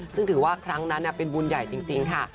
ซึ่งถือว่าครั้งนั้นเป็นบุญใหญ่จริงค่ะ